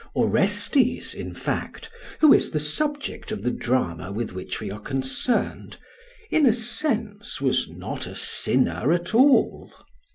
Orestes, in fact, who is the subject of the drama with which we are concerned, in a sense was not a sinner at all.